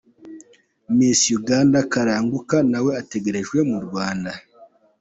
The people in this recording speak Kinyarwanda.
Miss Uganda Kalanguka nawe ategerejwe mu Rwanda.